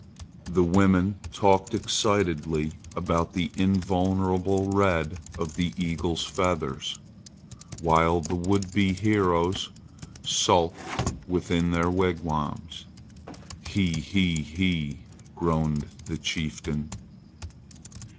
The women talked excitedly about the invulnerable red of the eagle's feathers, while the would be heroes sulked within their wigwams. "He he he!" groaned the chieftain.